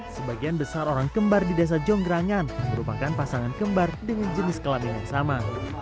sebagian besar orang kembar di desa jonggrangan merupakan pasangan kembar dengan jenis kelamin yang sama